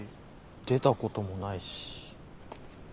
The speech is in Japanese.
出たこともないし。